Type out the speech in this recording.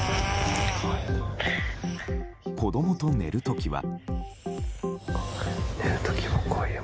子供と寝る時は。